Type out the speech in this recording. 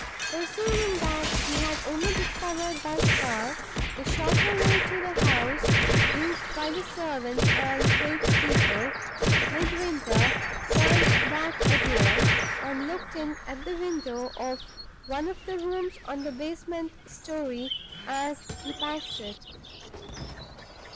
Perceiving that he had only discovered thus far the shorter way to the house, used by the servants and trades people, Midwinter turned back again, and looked in at the window of one of the rooms on the basement story as he passed it.